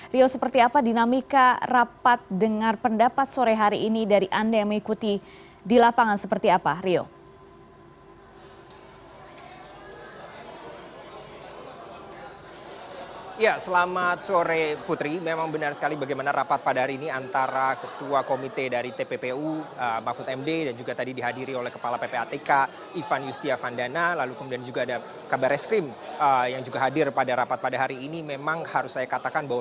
rio seperti apa dinamika rapat dengan pendapat sore hari ini dari anda yang mengikuti di lapangan seperti apa rio